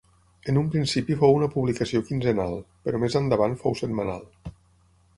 En un principi fou una publicació quinzenal, però més endavant fou setmanal.